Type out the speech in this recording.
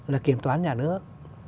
là kiểm toán nhà nước